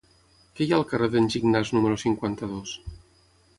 Què hi ha al carrer d'en Gignàs número cinquanta-dos?